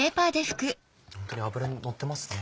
ホントに脂乗ってますね。